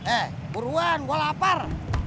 eh buruan gue lapar